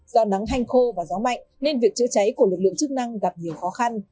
do nắng hanh khô và gió mạnh nên việc chữa cháy của lực lượng chức năng gặp nhiều khó khăn